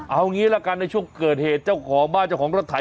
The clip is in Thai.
เอางี้ละกันในช่วงเกิดเหตุเจ้าของบ้านเจ้าของรถไถ